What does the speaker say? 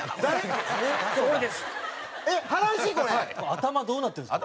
頭どうなってるんですか？